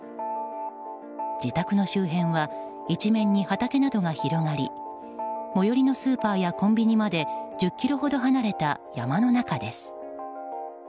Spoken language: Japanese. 自宅の周辺は一面に畑などが広がり最寄りのスーパーやコンビニまで１０ｋｍほど離れた山の中です。